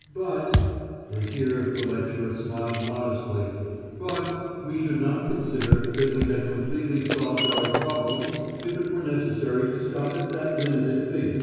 But" and here the lecturer smiled modestly "but we should not consider that we had completely solved our problem if it were necessary to stop at that limited figure.